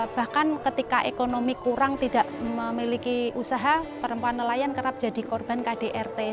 bahkan ketika ekonomi kurang tidak memiliki usaha perempuan nelayan kerap jadi korban kdrt